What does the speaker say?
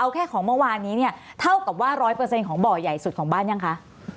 เอาแค่ของเมื่อวานนี้เนี่ยเท่ากับว่า๑๐๐ของบ่อใหญ่สุดของบ้านยังคะ